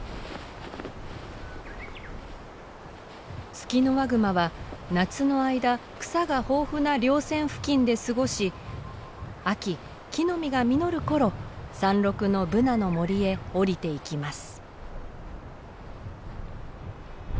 ツキノワグマは夏の間草が豊富な稜線付近で過ごし秋木の実が実る頃山麓のブナの森へ下りていきます。